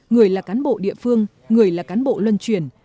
người là cán bộ địa phương người là cán bộ luân truyền